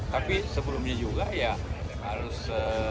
tapi sebelumnya juga ya harus